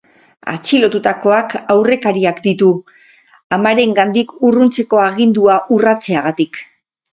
Atxilotutakoak aurrekariak ditu, amarengandik urruntzeko agindua urratzeagatik.